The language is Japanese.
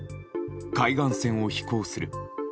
海岸線を飛行する。